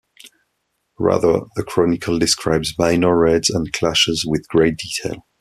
Rather the chronicle describes minor raids and clashes with great detail.